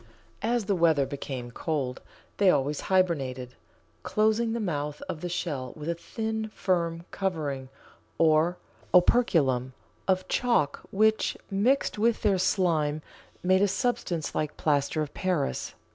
As the weather became cold they always hibernated, closing the mouth of the shell with a thin, firm covering, or operculum, of chalk, which, mixed with their slime, made a substance like plaster of Paris.